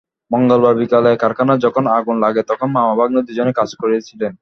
মঙ্গলবার বিকেলে কারখানায় যখন আগুন লাগে, তখন মামা-ভাগনে দুজনই কাজ করছিলেন।